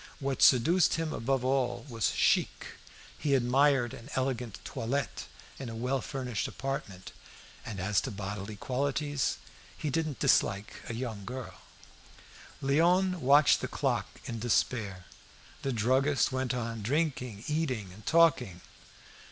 What seduced him above all else was chic. He admired an elegant toilette in a well furnished apartment, and as to bodily qualities, he didn't dislike a young girl. In rum. Léon watched the clock in despair. The druggist went on drinking, eating, and talking.